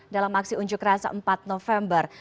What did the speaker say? dalam aksi unjuk rasa empat november